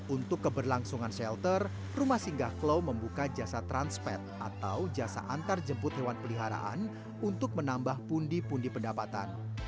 untuk keberlangsungan shelter rumah singgah klau membuka jasa transpet atau jasa antarjemput hewan peliharaan untuk menambah pundi pundi pendapatan